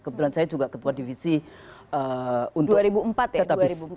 kebetulan saya juga kedua divisi untuk database